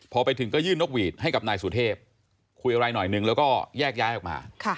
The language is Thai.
พอไปถึงก็ยื่นนกหวีดให้กับนายสุเทพคุยอะไรหน่อยนึงแล้วก็แยกย้ายออกมา